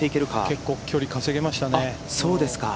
結構、距離稼げましたね。